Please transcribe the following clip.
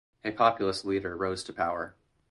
A populist leader rose to power.